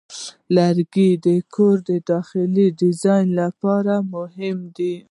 لرګی د کور داخلي ډیزاین لپاره مهم دی.